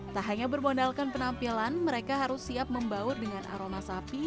tak hanya bermodalkan penampilan mereka harus siap membaur dengan aroma sapi